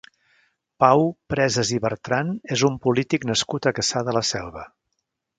Pau Presas i Bertran és un polític nascut a Cassà de la Selva.